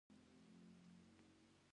اسلام حقيقي دين دی